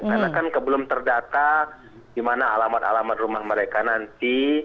karena kan belum terdata di mana alamat alamat rumah mereka nanti